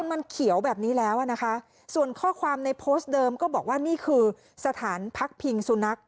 มันเขียวแบบนี้แล้วอ่ะนะคะส่วนข้อความในโพสต์เดิมก็บอกว่านี่คือสถานพักพิงสุนัข